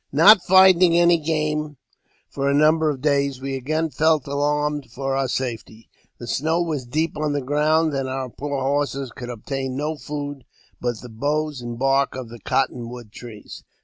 NOT finding any game for a number of days, we again felt alarmed for om: safety. The snow was deep on the ground, and our poor horses could obtain no food but the boughs and bark of the cotton wood trees.